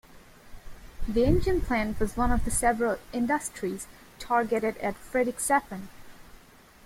The engine plant was one of several industries targeted at Friedrichshafen.